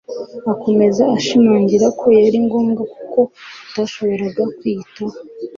akomeza ashimangira ko cyari ngombwa kuko atashoboraga kwiyitaho